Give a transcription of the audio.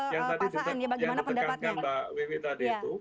yang tadi ditekankan mbak wimie tadi itu